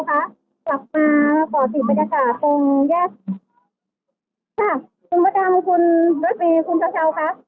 หลับมาขอติดบรรยากาศตรงแยกคุณพระเจ้าคุณพระตรีคุณเช้าเช้าค่ะ